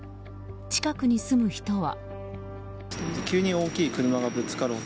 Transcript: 近くに住む人は。